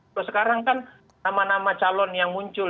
kalau sekarang kan nama nama calon yang muncul